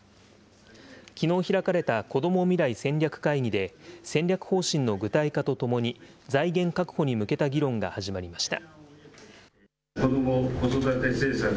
きのう開かれたこども未来戦略会議で、戦略方針の具体化とともに財源確保に向けた議論が始まりました。